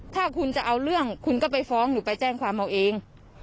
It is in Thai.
ถ้าคุณจะเอาเรื่องคุณก็ไปฟ้องหรือไปแจ้งความเอาเอง